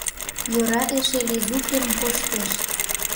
Йӧра эше Лизукем коштеш.